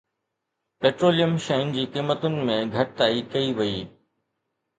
petroleum شين جي قيمتن ۾ گهٽتائي ڪئي وئي